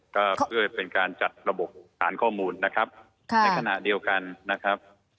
ก็เพื่อเป็นการจัดระบบฐานข้อมูลนะครับในขณะเดียวกันนะครับ